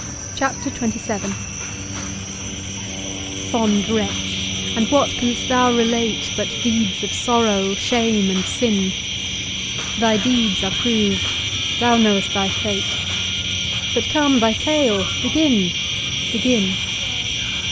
CHAPTER XXVII Fond wretch! and what canst thou relate, But deeds of sorrow, shame, and sin? Thy deeds are proved—thou know'st thy fate; But come, thy tale—begin—begin.